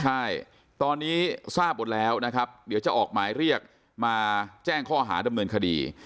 ใช่ตอนนี้ทราบหมดแล้วนะครับเดี๋ยวจะออกหมายเรียกมาแจ้งข้อหาดำเนินคดี